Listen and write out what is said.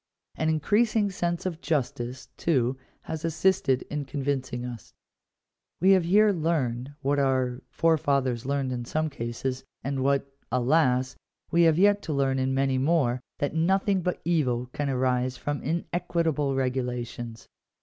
An increasing sense of justice, too, has assisted in convincing us. We have here learned, what our forefathers learned in some cases, and what, alas! we have yet to learn in many more, that nothing but evil can arise from inequitable regulations.